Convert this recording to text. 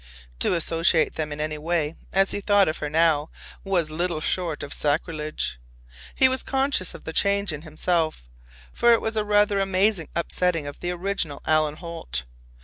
To associate them in any way, as he thought of her now, was little short of sacrilege. He was conscious of the change in himself, for it was rather an amazing upsetting of the original Alan Holt.